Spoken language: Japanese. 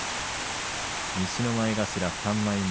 西の前頭３枚目。